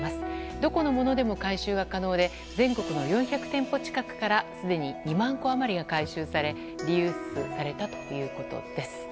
どこのものでも回収が可能で全国の４００店舗近くからすでに２万個余りが回収されリユースされたということです。